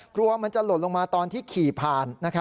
กลัวมันจะหล่นลงมาตอนที่ขี่ผ่าน